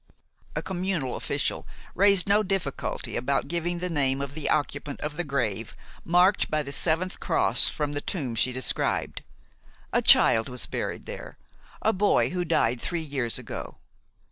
A communal official raised no difficulty about giving the name of the occupant of the grave marked by the seventh cross from the tomb she described. A child was buried there, a boy who died three years ago.